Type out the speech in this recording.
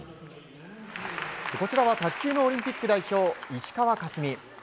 こちらは卓球のオリンピック代表石川佳純。